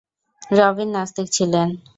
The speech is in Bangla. রবিন নাস্তিক ছিলেন।